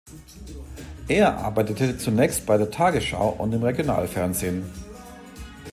Er arbeitete zunächst bei der "Tagesschau" und im Regionalfernsehen.